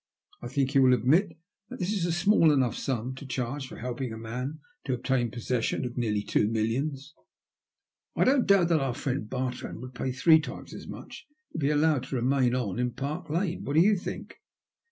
I think you will admit that that is a small enough sum to charge for helping a man to obtain possession of nearly two millions. I don't doubt our friend Bartrand would pay three times as much to be allowed to remain on in Park Lane. What do you think